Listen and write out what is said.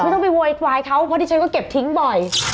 ต้องไปโวยวายเขาเพราะดิฉันก็เก็บทิ้งบ่อย